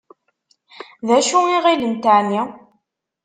D acu i ɣilent εni?